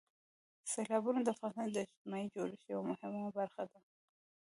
سیلابونه د افغانستان د اجتماعي جوړښت یوه برخه ده.